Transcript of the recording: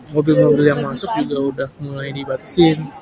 mobil mobil yang masuk juga udah mulai dibatasin